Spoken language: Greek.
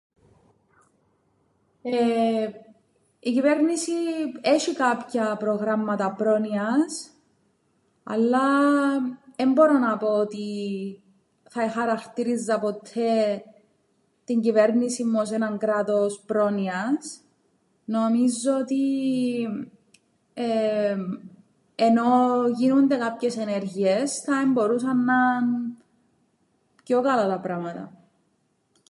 Εεε η κυβέρνηση έσ̆ει κάποια προγράμματα πρόνοιας, αλλά εν μπορω να πω οτι θα εχαρακτήριζα ποττέ την κυβέρνησην μου ως έναν κράτος πρόνοιας. Νομίζω ότι ενώ γίνουνται κάποιες ενέργειες, θα μπορούσαν να 'ν' πιο καλά τα πράματα.